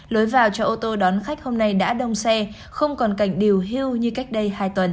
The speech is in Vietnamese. lối vào cho ô tô đón khách hôm nay đã đông xe không còn cảnh điều hưu như cách đây hai tuần